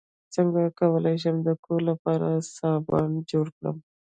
څنګه کولی شم د کور لپاره صابن جوړ کړم